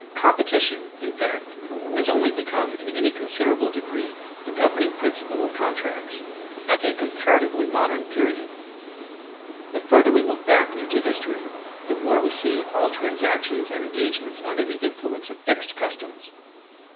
Competition, in fact, has only become in any considerable degree the governing principle of contracts, at a comparatively modern period. The further we look back into history, the more we see all transactions and engagements under the influence of fixed customs.